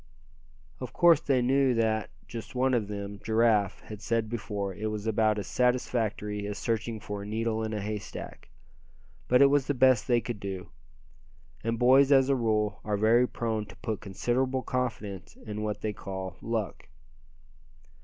Of course they knew that, just as one of them, Giraffe, had said before, it was about as satisfactory as searching for a needle in a haystack. But it was the best they could do. And boys as a rule, are very prone to put considerable confidence in what they call "luck."